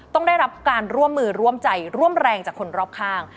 ต้องได้รับการร่วมมือร่วมใจร่วมแรงจากคนรอบข้าง